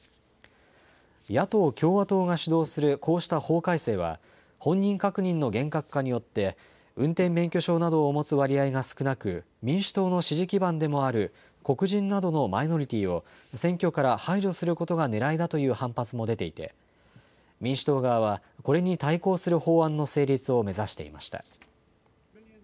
野党・共和党が主導するこうした法改正は、本人確認の厳格化によって、運転免許証などを持つ割合が少なく、民主党の支持基盤でもある黒人などのマイノリティーを選挙から排除することがねらいだという反発も出ていて、民主党側は、これに対抗する法案の成立を目指していました。